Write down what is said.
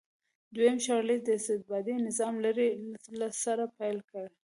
دویم چارلېز د استبدادي نظام لړۍ له سره پیل کړه.